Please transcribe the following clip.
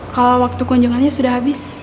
kalau waktu kunjungannya sudah habis